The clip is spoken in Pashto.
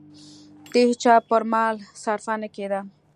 د هېچا پر مال صرفه نه کېده.